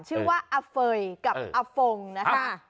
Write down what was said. ชื่อว่าอเฟย์กับอฟงนะคะ